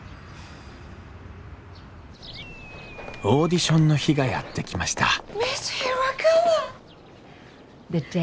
オーディションの日がやって来ました